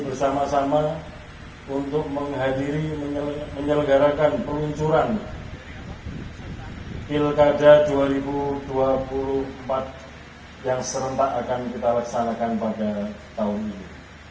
bersama sama untuk menghadiri menyelenggarakan peluncuran pilkada dua ribu dua puluh empat yang serentak akan kita laksanakan pada tahun ini